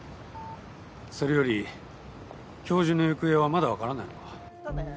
それより教授の行方はまだ分からないのか？